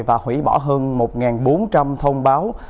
và hủy bỏ hơn một bốn trăm linh thông báo